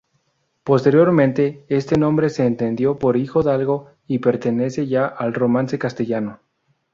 Posteriormente este nombre se entendió por hijo-dalgo y pertenece ya al romance castellano.